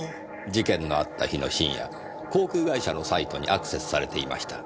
事件のあった日の深夜航空会社のサイトにアクセスされていました。